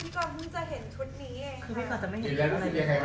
พี่กอลเพิ่งจะเห็นชุดนี้เองนะครับ